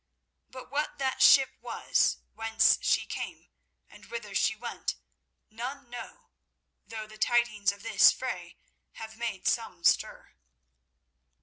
But what that ship was, whence she came, and whither she went, none know, though the tidings of this fray have made some stir."